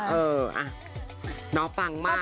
เออน้องฟังมาก